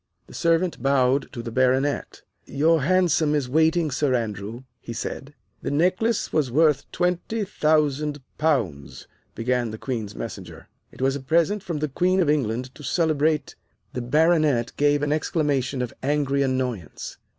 The servant bowed to the Baronet. "Your hansom is waiting, Sir Andrew," he said. "The necklace was worth twenty thousand pounds," began the Queen's Messenger. "It was a present from the Queen of England to celebrate " The Baronet gave an exclamation of angry annoyance.